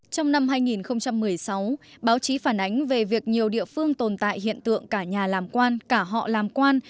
trong năm hai nghìn một mươi sáu báo chí phản ánh về việc nhiều địa phương tồn tại hiện tượng cả nhà làm quan cả họ làm quan